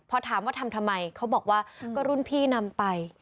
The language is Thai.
พอถามว่าทำทำไมเขาบอกว่าก็รุ่นพี่นำไป